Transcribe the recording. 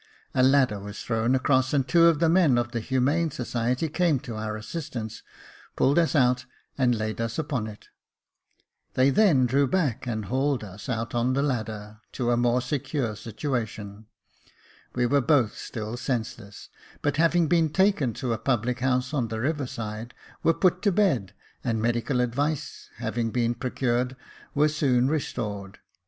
A ladder was thrown across, and two of the men of the Humane Society came to our assist ance, pulled us out, and laid us upon it. They then drew 2i8 Jacob Faithful back and hauled us on the ladder to a more secure situa tion. We were both still senseless ; but having been taken to a public house on the river side, were put to bed, and medical advice having been procured, were soon restored.